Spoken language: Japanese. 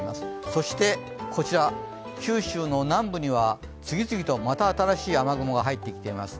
そして九州の南部には次々とまた新しい雨雲が入ってきています。